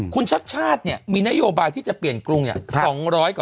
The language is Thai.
คุณชาติชาติเนี่ยมีนโยบายที่จะเปลี่ยนกรุง๒๐๐กว่าข้อ